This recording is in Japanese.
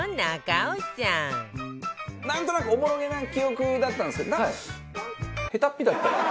なんとなくおぼろげな記憶だったんですけど下手っぴだった。